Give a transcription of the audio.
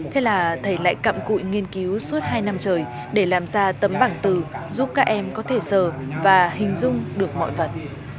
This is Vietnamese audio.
thế là thầy lại cặm cụi nghiên cứu suốt hai năm trời để làm ra tấm bảng từ giúp các em có thể sờ và hình dung được mọi vật